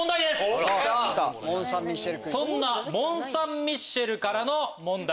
そんなモン・サン＝ミシェルからの問題